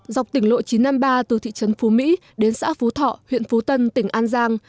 dọc tỉnh lộ chín trăm năm mươi ba từ thị trấn phú mỹ đến xã phú thọ huyện phú tân tỉnh an giang